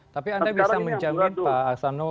tapi anda bisa menjamin pak aksano